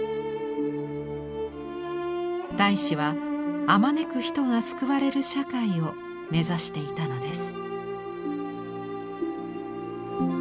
太子はあまねく人が救われる社会を目指していたのです。